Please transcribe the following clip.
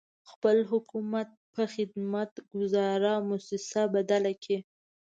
خپل حکومت په خدمت ګذاره مؤسسه بدل کړي.